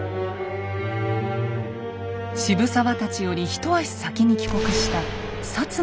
渋沢たちより一足先に帰国した摩の使節団。